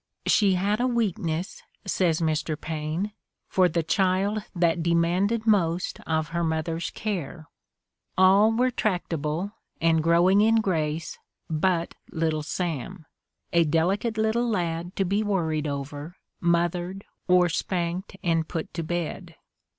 "She had a weakness," says Mr. Paine, "for the child that de manded most of her mother's care ... All were tracta ble and growing in grace but little Sam ... a delicate little lad to be worried over, mothered, or spanked and put to bed."